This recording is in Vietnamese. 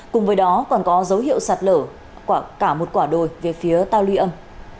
cùng với đó còn có dấu hiệu sạt lở cả một quả đồi về phía tàu luy âm